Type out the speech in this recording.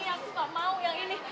aku suka mau yang ini